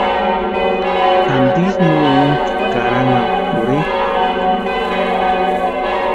¿Antisï no úkʼi karanhani pʼorhe?